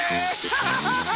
アハハハ。